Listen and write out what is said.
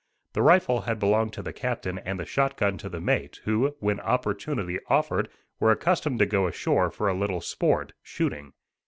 The rifle had belonged to the captain and the shot gun to the mate, who, when opportunity offered, were accustomed to go ashore for a little sport, shooting.